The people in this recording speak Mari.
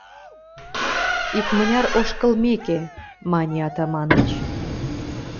— Икмыняр ошкылмеке, мане Атаманыч.